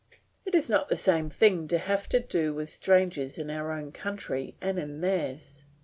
It is not the same thing to have to do with strangers in our own country and in theirs.